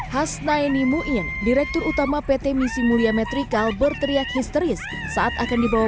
hasnaini muin direktur utama pt misi mulia metrikal berteriak histeris saat akan dibawa